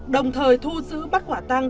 đồng thời thu giữ bắt quả tang